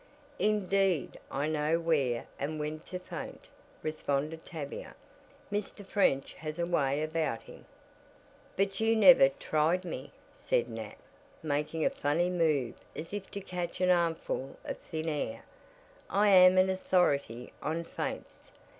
"Indeed I know where and when to faint," responded Tavia. "Mr. French has a way about him " "But you never tried me," said Nat, making a funny move as if to catch an armful of thin air. "I am an authority on faints.